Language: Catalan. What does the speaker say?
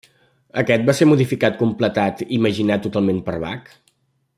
Aquest va ser modificat, completat o imaginat totalment per Bach?